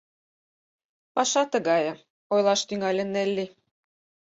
— Паша тыгае, — ойлаш тӱҥале Нелли.